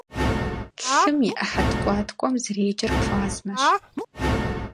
Лъым и ӏыхьэ ткӏуаткӏуэм зэреджэр плазмэщ.